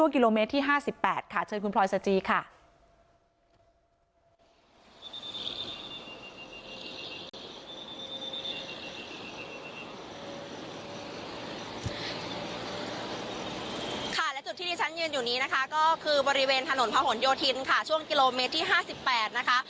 ค่ะและจุดที่ชั้นยืนอยู่นี้นะคะก็คือบริเวณถนนพระหนธ์โยธินชั่วโมเมตรที่๕๘นะคะ